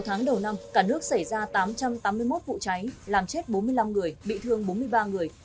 sáu tháng đầu năm cả nước xảy ra tám trăm tám mươi một vụ cháy làm chết bốn mươi năm người bị thương bốn mươi ba người